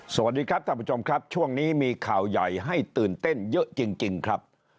สวัสดีครับท่านผู้ชมครับช่วงนี้มีข่าวใหญ่ให้ตื่นเต้นเยอะจริงครับ